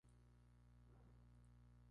El centro está situado en Bakú.